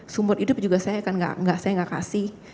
sumbur hidup juga saya gak kasih